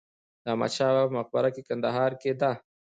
د احمدشاه بابا په مقبره په کندهار کې ده.